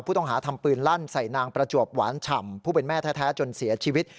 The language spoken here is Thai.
ทำปืนลั่นใส่นางประจวบหวานฉ่ำผู้เป็นแม่แท้จนเสียชีวิต